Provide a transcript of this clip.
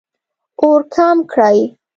اور کم کړئ